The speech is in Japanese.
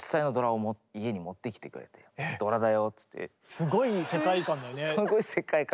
すごい世界観だよね。